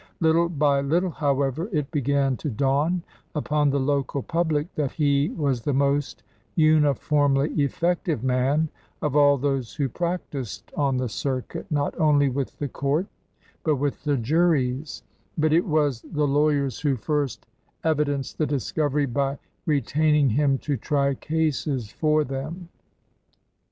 Little by little, however, it began to dawn upon the local public that he was the most uniformly effective man of all those who practised on the circuit, not only with the court, but with the juries; but it was the lawyers who first evidenced the discovery by retaining him to try cases for them.